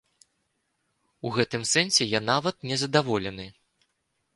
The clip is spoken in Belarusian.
У гэтым сэнсе я нават незадаволены.